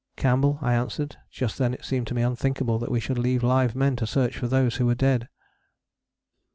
"Campbell," I answered: just then it seemed to me unthinkable that we should leave live men to search for those who were dead.